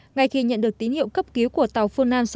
ngay khi nhận được tín hiệu cấp cứu của tàu phương nam sáu mươi tám